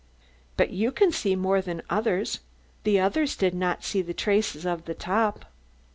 "But you can see more than others the others did not see the traces of the top?"